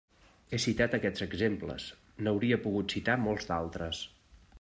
He citat aquests exemples; n'hauria pogut citar molts altres.